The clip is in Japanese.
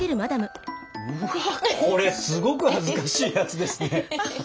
うわあこれすごく恥ずかしいやつですね。